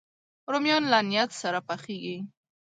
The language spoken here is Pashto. رومیان له نیت سره پخېږي